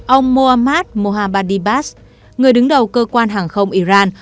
ông mohammad mohammadi bas người đứng đầu cơ quan hàng không iran